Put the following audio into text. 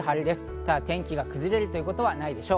ただ天気が崩れるということはないでしょう。